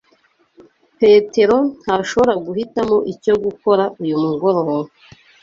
Petero ntashobora guhitamo icyo gukora uyu mugoroba.